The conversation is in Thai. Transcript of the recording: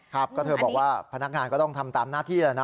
ครับก็เธอบอกว่าพนักงานก็ต้องทำตามหน้าที่แล้วนะ